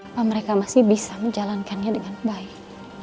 bahwa mereka masih bisa menjalankannya dengan baik